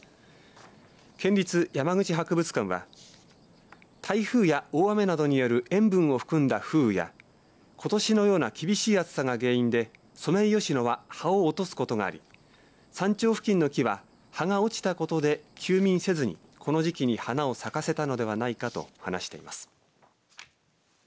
県立山口博物館は台風や大雨などによる塩分を含んだ風雨やことしのような厳しい暑さが原因でソメイヨシノは葉を落とすことがあり山頂付近の木は葉が落ちたことで休眠せずにこの時期に花を咲かせたのではないかと話しています。